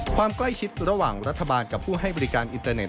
ความใกล้ชิดระหว่างรัฐบาลกับผู้ให้บริการอินเตอร์เน็